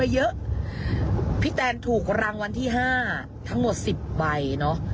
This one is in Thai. เยอะพี่แตนถูกรางวัลที่๕ทั้งหมด๑๐ใบเนอะ